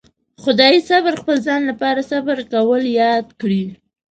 خدای صبر خپل ځان لپاره صبر کول ياد کړي.